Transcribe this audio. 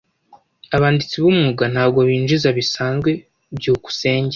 Abanditsi b'umwuga ntabwo binjiza bisanzwe. byukusenge